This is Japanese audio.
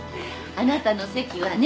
あなたの席はね